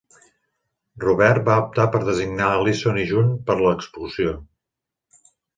Robert va optar per designar Alison i Jun per a l'expulsió.